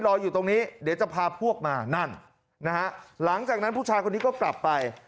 รออยู่ตรงนี้เดี๋ยวจะพาพวกมานั่นนะหลังจากนั้นผู้ชาย